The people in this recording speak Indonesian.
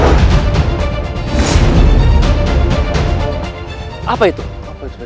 siapa lagi yang menyebabkan kesatria menyebabkan kesatria